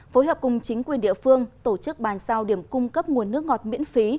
phối hợp cùng chính quyền địa phương tổ chức bàn sao điểm cung cấp nguồn nước ngọt miễn phí